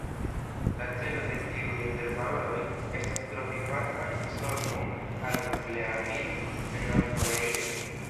La celo de tiuj interparoloj estas trovi pacan solvon al Nuklea Armilo de Nord-Koreio.